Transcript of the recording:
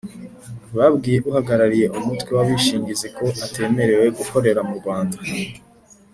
Babwiye Uhagarariye umutwe w abishingizi ko atemerewe gukorera mu Rwanda